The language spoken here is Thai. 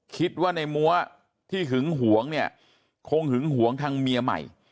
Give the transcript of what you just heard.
คิดว่าในมัวที่หึงหวงเนี่ยคงหึงหวงทางเมียใหม่